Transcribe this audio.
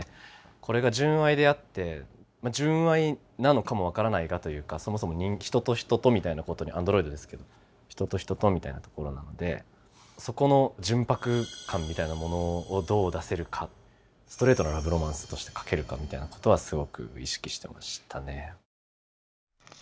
これが純愛であって純愛なのかも分からないがというかそもそも人と人とみたいなことにアンドロイドですけど人と人とみたいなところなのでそこの純白感みたいなものをどう出せるかストレートなラブロマンスとして書けるかみたいなことはすごく意識してましたね。